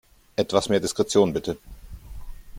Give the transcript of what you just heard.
Etwas mehr Diskretion, bitte!